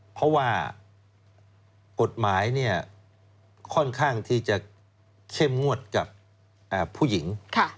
เพราะว่ากฎหมายค่อนข้างที่จะเข้มงวดกับผู้หญิง